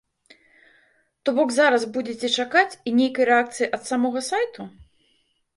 То бок зараз будзеце чакаць і нейкай рэакцыі ад самога сайту?